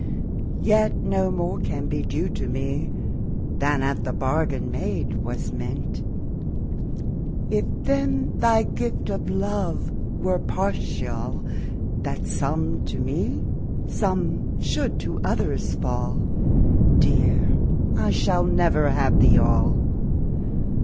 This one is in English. Yet no more can be due to me, Than at the bargain made was meant, If then thy gift of love were partial, That some to me, some should to others fall, Dear, I shall never have Thee All.